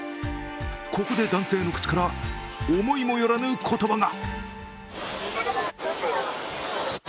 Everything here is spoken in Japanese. ここで男性の口から思いもよらぬ言葉が。